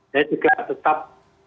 saya juga tetap